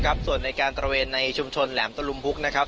กระบบส่วนในการเป็นในชุมชนแหลมตรงบุปนะครับ